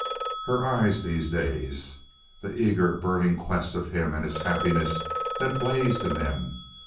Her eyes these days! The eager, burning quest of him and his happiness that blazed in them.